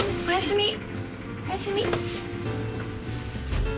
おやすみ。